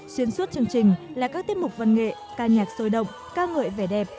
xuyên suốt chương trình là các tiết mục văn nghệ ca nhạc sôi động ca ngợi vẻ đẹp